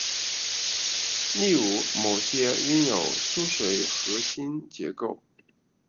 例如某些拥有疏水核心结构。